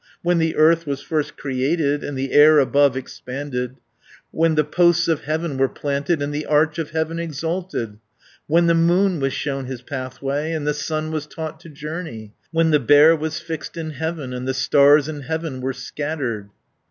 When the earth was first created, And the air above expanded, When the posts of heaven were planted, And the arch of heaven exalted, 250 When the moon was shown his pathway, And the sun was taught to journey, When the Bear was fixed in heaven, And the stars in heaven were scattered."